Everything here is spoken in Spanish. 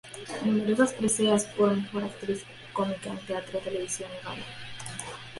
Numerosas preseas por mejor actriz cómica en teatro, televisión, y radio.